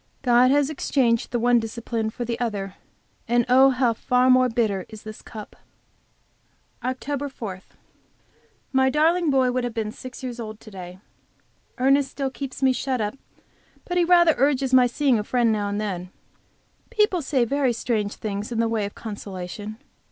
God has exchanged the one discipline for the other; and oh, how far more bitter is this cup! Oct. 4. My darling boy would have been six years old to day. Ernest still keeps me shut up, but he rather urges my seeing a friend now and. People say very strange things in the way of consolation.